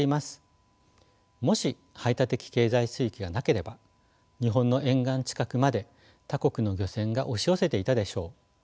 もし排他的経済水域がなければ日本の沿岸近くまで他国の漁船が押し寄せていたでしょう。